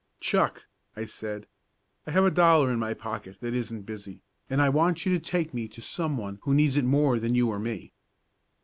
"Chuck," I said, "I have a dollar in my pocket that isn't busy, and I want you to take me to some one who needs it more than you or me."